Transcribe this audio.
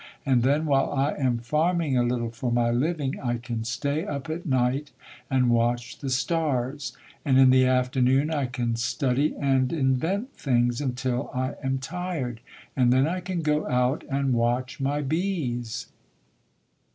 And then while I am farming a little for my living I can stay up at night and watch the stars. And in the afternoon I can study and invent things until I am tired, and then I can go out and watch my bees".